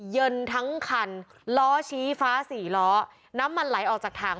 เย็นทั้งคันล้อชี้ฟ้าสี่ล้อน้ำมันไหลออกจากถัง